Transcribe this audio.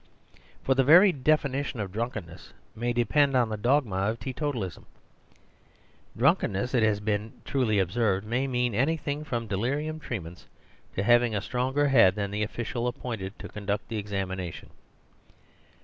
For the very definition of drunken ness may depend on the dogma of teetotalism. Drunkenness, it has been very truly observed,* "may mean anything from delirium tremens to having a stronger head than the official ap pointed to conduct the examination."